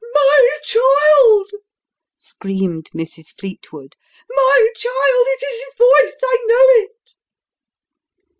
" My child !" screamed Mrs. Fleetwood. " My child ! it is his voice I know it."